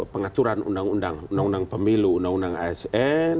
pengaturan undang undang undang pemilu undang undang asn